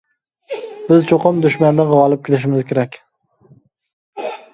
بىز چوقۇم دۈشمەندىن غالىپ كېلىشىمىز كېرەك.